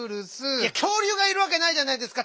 いやきょうりゅうがいるわけないじゃないですか！